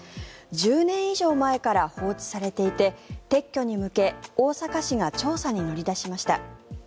１０年以上前から放置されていて撤去に向けて大阪市が調査に乗り出しました。